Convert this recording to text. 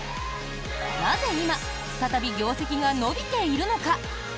なぜ今、再び業績が伸びているのか。